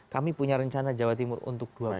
kami punya rencana jawa timur untuk dua bulan